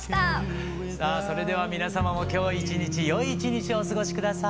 さあそれでは皆さまも今日一日良い一日をお過ごし下さい。